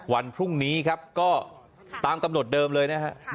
วันพรุ่งนี้ก็ตามตำรวจเริ่มเลยนะครับ